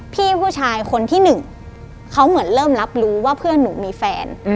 พี่ผู้ชายคนที่หนึ่งเขาเหมือนเริ่มรับรู้ว่าเพื่อนหนูมีแฟน